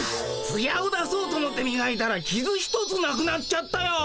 つやを出そうとおもってみがいたらきず一つなくなっちゃったよ。